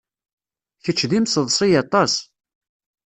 Kečč d imseḍsi aṭas.